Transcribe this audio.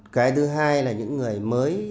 cái thứ hai là những người mới